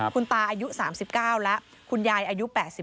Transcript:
คุณตาอายุ๓๙แล้วคุณยายอายุ๘๒